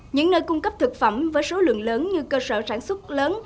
những nơi cung cấp thực phẩm với số lượng lớn như cơ sở sản xuất lớn